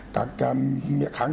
các miệng kháng